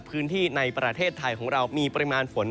พื้นที่ในประเทศไทยของเรามีปริมาณฝน